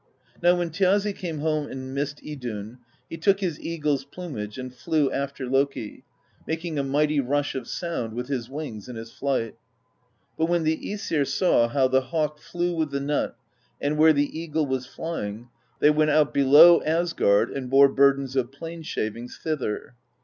Now when Thjazi came home and missed Idunn, he took his eagle's plumage and flew after Loki, making a mighty rush of sound with his wings in his flight. But when the iEsir saw how the hawk flew with the nut, and where the eagle was flying, they went out below Asgard and bore burdens of plane shavings thither.